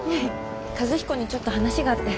和彦にちょっと話があって。